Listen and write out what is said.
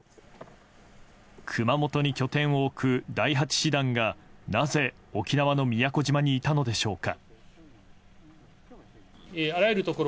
熊本に拠点を置く第８師団がなぜ沖縄の宮古島にいたのでしょうか。